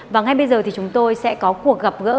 và ngay bây giờ thì chúng tôi sẽ có cuộc gặp gỡ